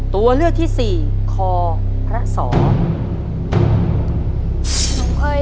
ตัวเลือกที่สี่คอพระสอย